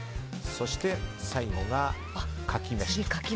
そして最後がかきめし。